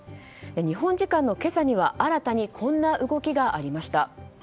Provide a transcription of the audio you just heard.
日本時間の今朝には新たにこんな動きがありました。